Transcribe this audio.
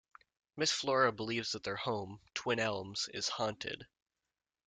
Miss Flora believes that their home, Twin Elms, is haunted.